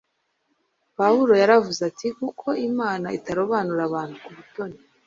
Pawulo yaravuze ati: “Kuko Imana itarobanura abantu ku butoni.